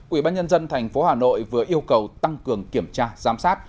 ubnd tp hà nội vừa yêu cầu tăng cường kiểm tra giám sát